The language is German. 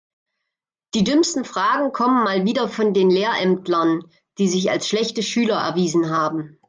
Die dümmsten Fragen kommen mal wieder von den Lehrämtlern, die sich als schlechte Schüler erwiesen haben.